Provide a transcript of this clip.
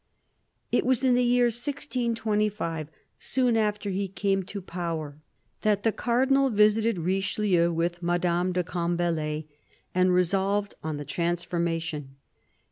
It was in the year 1625, soon after he came to power, that the Cardinal visited Richelieu with Madame de Combalet, and resolved on the transformation.